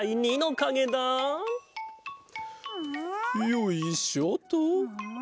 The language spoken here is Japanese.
よいしょっと。